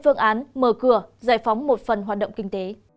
và đưa cửa giải phóng một phần hoạt động kinh tế